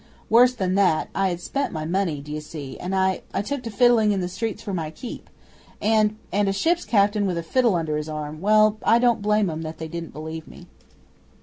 Worse than that I had spent my money, d'ye see, and I I took to fiddling in the streets for my keep; and and, a ship's captain with a fiddle under his arm well, I don't blame 'em that they didn't believe me.